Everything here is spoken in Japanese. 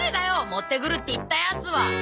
持ってくるって言ったヤツは。